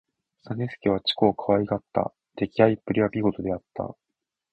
実資は千古をかわいがった。できあいっぷりは見事であった。